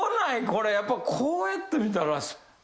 これやっぱこうやって見たら。